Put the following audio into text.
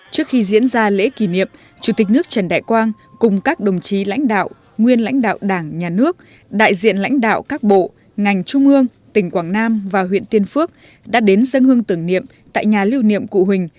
trước khi diễn ra lễ kỷ niệm chủ tịch nước trần đại quang cùng các đồng chí lãnh đạo nguyên lãnh đạo đảng nhà nước đại diện lãnh đạo các bộ ngành trung ương tỉnh quảng nam và huyện tiên phước đã đến dân hương tưởng niệm tại nhà lưu niệm cụ huỳnh